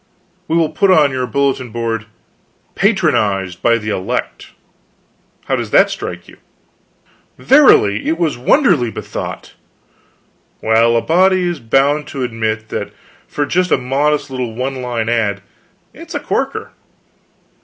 We will put on your bulletin board, 'Patronized by the elect.' How does that strike you?" "Verily, it is wonderly bethought!" "Well, a body is bound to admit that for just a modest little one line ad, it's a corker."